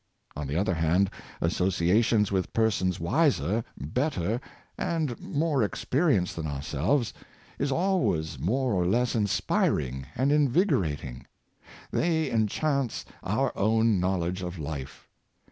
On the other hand, associations with persons wiser, better and more experienced than ourselves, is always more or less inspiring and invigorating. They enchance our own knowledge of life.